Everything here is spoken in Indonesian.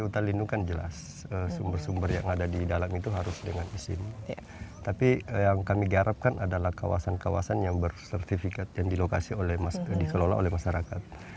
tapi yang kami garapkan adalah kawasan kawasan yang bersertifikat dan dilokasi oleh masyarakat